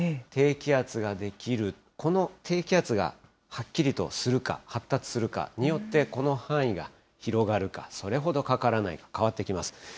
低気圧が出来る、この低気圧がはっきりとするか、発達するかによって、この範囲が広がるか、それほどかからないか、変わってきます。